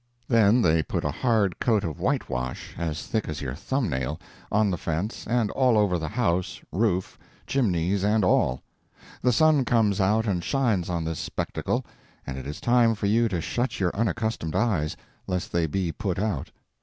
Then they put a hard coat of whitewash, as thick as your thumb nail, on the fence and all over the house, roof, chimneys, and all; the sun comes out and shines on this spectacle, and it is time for you to shut your unaccustomed eyes, lest they be put out.